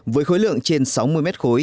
với khối lượng trên sáu mươi m khối